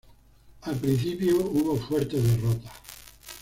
Al principio, hubo fuertes derrotas.